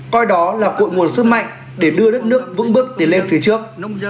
coi đó là cội nguồn sức mạnh để đưa đất nước vững bước tiến lên phía trước